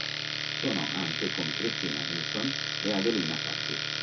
Suonò anche con Christina Nilsson e Adelina Patti.